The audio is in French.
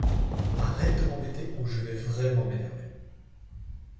Arrête de m’embêter ou je vais vraiment m’énerver.